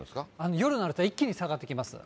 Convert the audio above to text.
夜になると、一気に下がってきます。